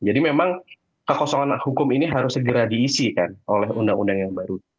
jadi memang kekosongan hukum ini harus segera diisikan oleh undang undang yang baru